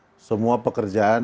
tentunya semua pekerjaan